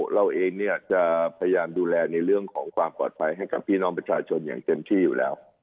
เราเองเนี่ยจะพยายามดูแลในเรื่องของความปลอดภัยให้กับพี่น้องประชาชนอย่างเต็มที่อยู่แล้ว